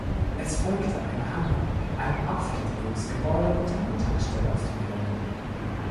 Es folgte ein Hangar, ein Abfertigungsgebäude und eine Tankstelle auf dem Gelände.